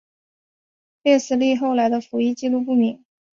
列斯利后来的服役纪录不明。